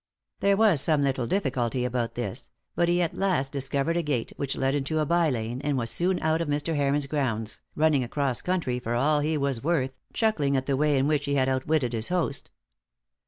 There was some little difficulty about this; but he at last discovered a gate, which led into a by lane, and was soon out of Mr. Heron's grounds, running across country for all he was worth, chuckling at the way in which he had outwitted his host.